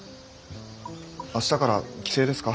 明日から帰省ですか？